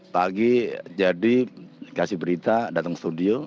pagi jadi kasih berita datang ke studio